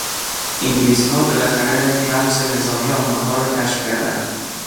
انگلیسها بالاخره رمز نظامی آلمانها را کشف کردند.